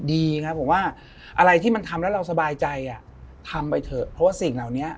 ดีครับผมว่าอะไรที่มันทำแล้วเราสบายใจอ่ะทำไปเถอะเพราะว่าสิ่งเหล่านี้